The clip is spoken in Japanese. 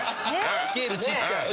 スケールちっちゃい。